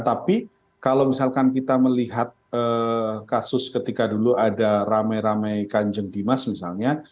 tapi kalau misalkan kita melihat kasus ketika dulu ada rame rame kanjeng dimas misalnya